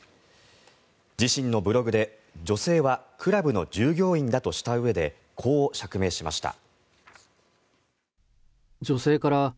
自身のブログで、女性はクラブの従業員だとしたうえでこう釈明しました。